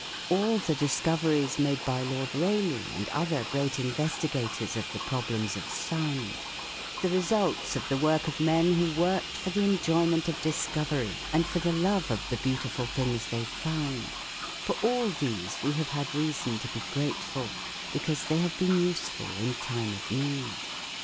All the discoveries made by Lord Rayleigh and other great investigators of the problems of sound, the results of the work of men who worked for the enjoyment of discovery and for the love of the beautiful things they found for all these we have had reason to be grateful, because they have been useful in time Of need.